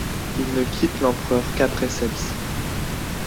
Il ne quitte l'Empereur qu'après celle-ci.